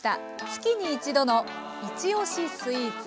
月に一度の「いちおしスイーツ」。